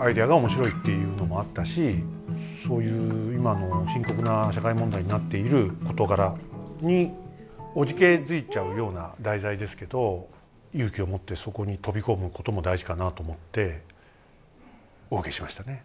アイデアが面白いっていうのもあったしそういう今の深刻な社会問題になっている事柄におじけづいちゃうような題材ですけど勇気を持ってそこに飛び込むことも大事かなと思ってお受けしましたね。